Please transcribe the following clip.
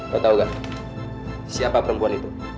lo tahu gak siapa perempuan itu